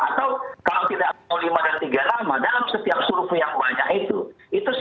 atau kalau tidak lima dan tiga nama dalam setiap survei yang banyak itu